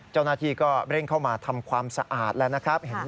เจ้าหน้าที่ก็เร่งเข้ามาทำความสะอาดแล้วนะครับ